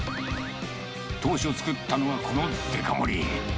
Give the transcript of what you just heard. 当初作ったのはこのデカ盛り。